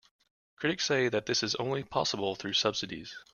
Critics say that this is only possible through subsidies.